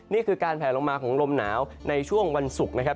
นี่คือการแผลลงมาของลมหนาวในช่วงวันศุกร์นะครับ